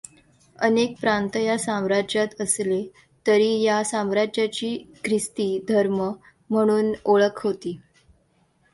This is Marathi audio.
अनेक प्रांत या साम्राज्यात असले तरी या साम्राज्याची ख्रिस्ती धर्म म्हणून ओळख होती.